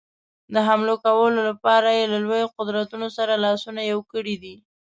د حملو کولو لپاره یې له لویو قدرتونو سره لاسونه یو کړي دي.